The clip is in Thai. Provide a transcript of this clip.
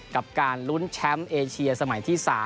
กับการลุ้นแชมป์เอเชียสมัยที่๓